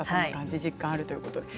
実感があるということですね。